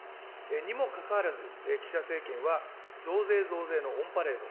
にもかかわらず、岸田政権は増税増税のオンパレード。